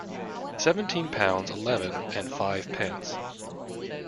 Seventeen pounds eleven and fivepence.